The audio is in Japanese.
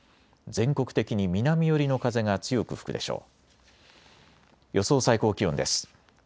全国的に南寄りの風が強く吹くでしょう。